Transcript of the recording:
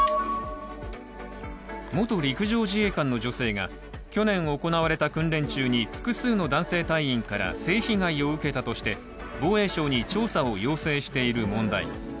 元陸上自衛官の女性が去年行われた訓練中に複数の男性隊員から性被害を受けたとして防衛省に調査を要請している問題。